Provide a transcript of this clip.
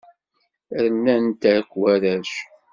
Rnan-t akk warrac.